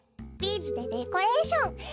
ビーズでデコレーション。